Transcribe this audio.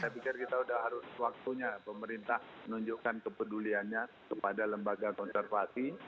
saya pikir kita sudah harus waktunya pemerintah menunjukkan kepeduliannya kepada lembaga konservasi